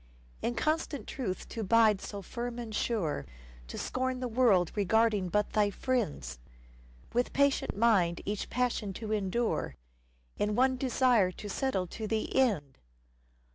In constant truth to bide so firm and sure, To scorn the world regarding but thy friends ? With patient mind each passion to endure, In one desire to settle to the end